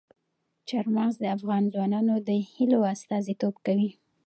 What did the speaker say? چار مغز د افغان ځوانانو د هیلو استازیتوب کوي.